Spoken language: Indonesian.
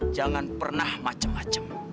jangan pernah macem macem